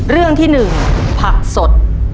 เรื่องที่๑ผักสด